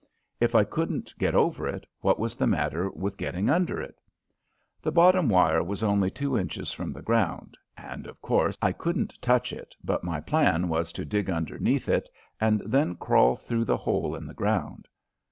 If I couldn't get over it, what was the matter with getting under it? The bottom wire was only two inches from the ground, and, of course, I couldn't touch it, but my plan was to dig underneath it and then crawl through the hole in the ground.